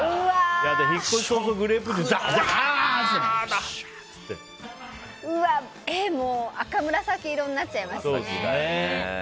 引っ越し早々グレープジュースを赤紫色になっちゃいますね。